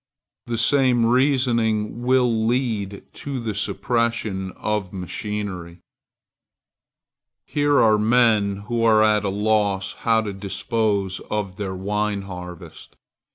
The same reasoning will lead to the suppression of machinery. Here are men who are at a loss how to dispose of their wine harvest.